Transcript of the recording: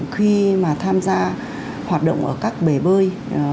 khi mà tham gia hoạt động ở các bể bơi